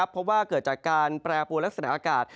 เพราะว่าเกิดจากการแปรปวนลักษณะอากาศ